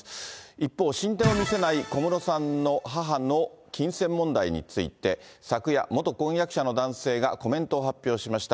一方、進展を見せない小室さんの母の金銭問題について、昨夜、元婚約者の男性がコメントを発表しました。